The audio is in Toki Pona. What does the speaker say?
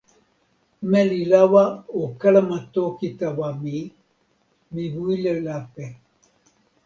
meli lawa o kalama toki tawa mi. mi wile lape.